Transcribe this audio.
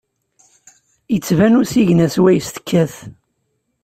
Ittban usigna syawes tekkat.